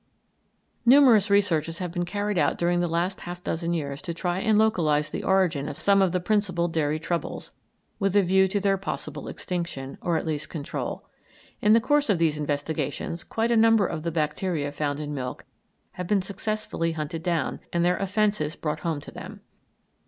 Numerous researches have been carried out during the last half dozen years to try and localise the origin of some of the principal dairy troubles, with a view to their possible extinction, or at least control. In the course of these investigations quite a number of the bacteria found in milk have been successfully hunted down, and their offences brought home to them.